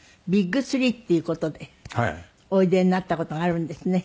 ＢＩＧ３っていう事でおいでになった事があるんですね。